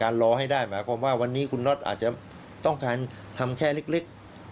รอให้ได้หมายความว่าวันนี้คุณน็อตอาจจะต้องการทำแค่เล็ก